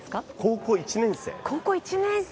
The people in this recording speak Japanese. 高校１年生！